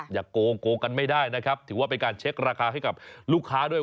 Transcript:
โกงโกงกันไม่ได้นะครับถือว่าเป็นการเช็คราคาให้กับลูกค้าด้วย